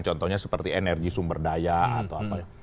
contohnya seperti energi sumber daya atau apa ya